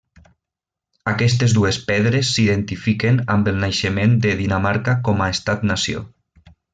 Aquestes dues pedres s'identifiquen amb el naixement de Dinamarca com a estat nació.